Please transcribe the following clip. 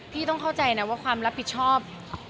พี่ต้องเข้าใจนะว่าความรับผิดชอบ